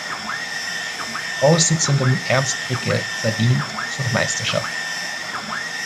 Vorsitzenden Ernst Fricke verdient zur Meisterschaft.